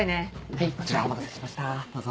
はいこちらお待たせしましたどうぞ。